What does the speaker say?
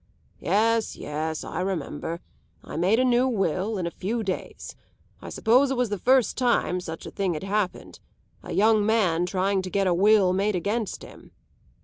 "Yes, yes, I remember. I made a new will in a few days. I suppose it was the first time such a thing had happened a young man trying to get a will made against him."